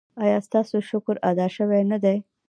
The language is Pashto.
ایا ستاسو شکر ادا شوی نه دی؟